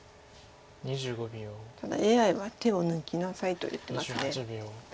ただＡＩは手を抜きなさいと言ってます。